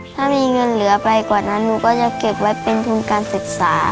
ถ้ามีเงินเหลือไปกว่านั้นหนูก็จะเก็บไว้เป็นทุนการศึกษา